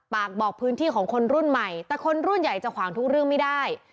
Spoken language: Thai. บอกพื้นที่ของคนรุ่นใหม่แต่คนรุ่นใหญ่จะขวางทุกเรื่องไม่ได้